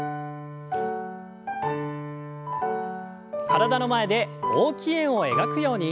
体の前で大きい円を描くように。